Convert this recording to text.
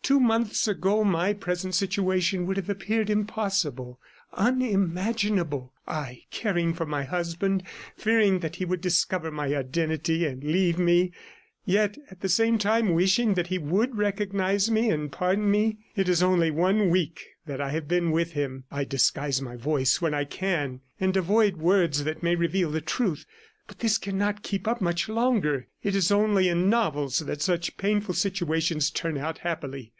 Two months ago, my present situation would have appeared impossible, unimaginable. ... I caring for my husband, fearing that he would discover my identity and leave me, yet at the same time, wishing that he would recognize me and pardon me. ... It is only one week that I have been with him. I disguise my voice when I can, and avoid words that may reveal the truth ... but this cannot keep up much longer. It is only in novels that such painful situations turn out happily."